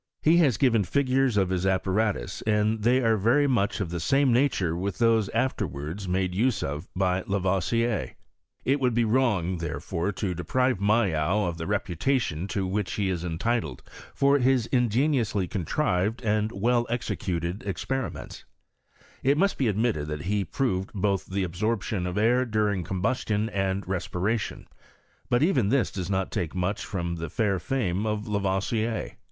He liHH given ti^turcs of his apparatus, and they are very much of the same nature with those afterwards made use of by Lavoisier. It would be wrong, tlierefure, to deprive Mayow of the reputation to which he is entitled for hia ingeniously contrived and well executed experiments, it must be ad inittcHt that he proved both the absorption of air duiing combustion and respiration; but even this PA0GRX8S 07 CHEMISTRY IN TRANCE. 99 does not take much from the fair fame of Lavoisier.